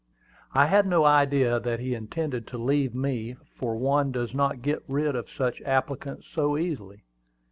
I had no idea that he intended to leave me, for one does not get rid of such applicants so easily.